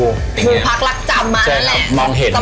คือพักลักษณ์จำมานั่นแหละ